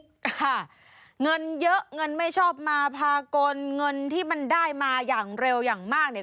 ค่ะเงินเยอะเงินไม่ชอบมาพากลเงินที่มันได้มาอย่างเร็วอย่างมากเนี่ย